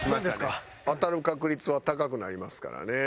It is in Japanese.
当たる確率は高くなりますからね。